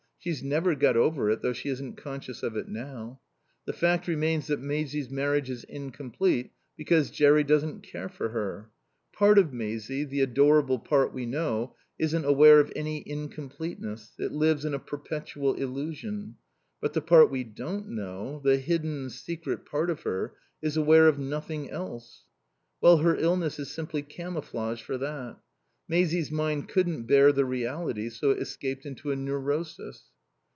She's never got over it, though she isn't conscious of it now. The fact remains that Maisie's marriage is incomplete because Jerry doesn't care for her. Part of Maisie, the adorable part we know, isn't aware of any incompleteness; it lives in a perpetual illusion. But the part we don't know, the hidden, secret part of her, is aware of nothing else.... Well, her illness is simply camouflage for that. Maisie's mind couldn't bear the reality, so it escaped into a neurosis.